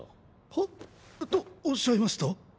はっ？とおっしゃいますと？